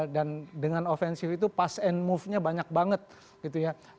dan dengan offensive itu pass and move nya banyak banget gitu ya